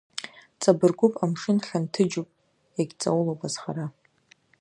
Ҵабыргуп, амшын хьанҭыџьуп, иагьҵаулоуп азхара.